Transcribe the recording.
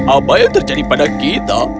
apa yang terjadi pada kita